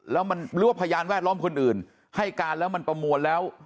แล้วมันหรือว่าพยานแวดล้อมคนอื่นให้การแล้วมันประมวลแล้ว